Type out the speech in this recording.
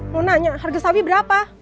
mau nanya harga sawi berapa